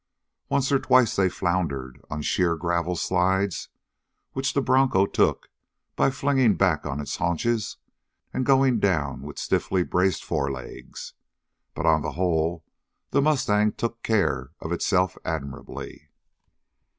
Once or twice they floundered onto sheer gravel slides which the broncho took by flinging back on its haunches and going down with stiffly braced forelegs. But on the whole the mustang took care of itself admirably.